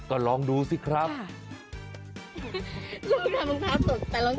ก็ลองดูสิครับ